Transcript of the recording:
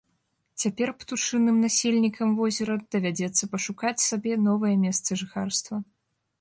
Цяпер птушыным насельнікам возера давядзецца пашукаць сабе новае месца жыхарства.